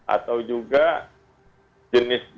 atau juga jenis demam berdarah